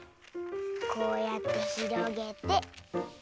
こうやってひろげて。